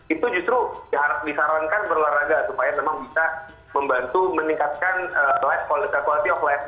itu justru yang harus disarankan berolahraga supaya memang bisa membantu meningkatkan quality of life mis